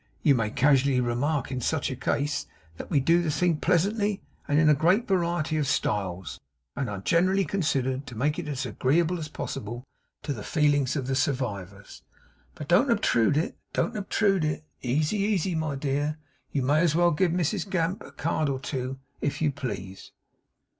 'You may casually remark, in such a case, that we do the thing pleasantly and in a great variety of styles, and are generally considered to make it as agreeable as possible to the feelings of the survivors. But don't obtrude it, don't obtrude it. Easy, easy! My dear, you may as well give Mrs Gamp a card or two, if you please.